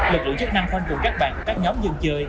lực lượng chất năng phân phục các bàn của các nhóm dân chơi